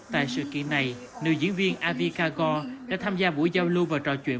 tại sự kiện này nữ diễn viên avikagor đã tham gia buổi giao lưu và trò chuyện